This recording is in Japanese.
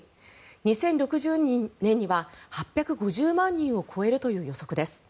２０６０年には８５０万人を超えるという予測です。